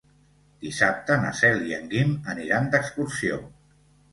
Dissabte na Cel i en Guim aniran d'excursió.